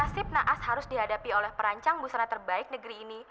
nasib naas harus dihadapi oleh perancang busana terbaik negeri ini